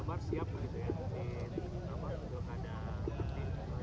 dan apa sudah ada